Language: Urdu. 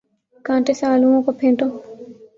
کانٹے سے آلووں کو پھینٹو